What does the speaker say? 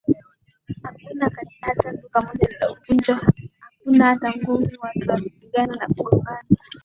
hakuna hata duka moja lililovujwa hakuna hata ngumi watu walipingana kwa kugogana